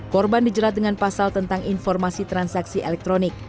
korban dijerat dengan pasal tentang informasi transaksi elektronik